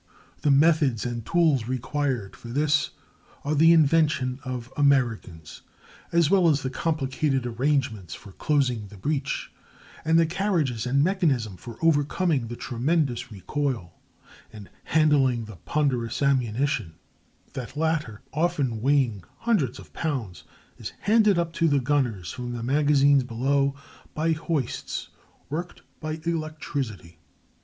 The methods and tools required for this are the invention of Americans, as well as the complicated arrangements for closing the breech, and the carriages and mechanism for overcoming the tremendous recoil and handling the ponderous ammunition; the latter, often weighing hundreds of pounds, is handed up to the gunners from the magazines below by hoists worked by electricity.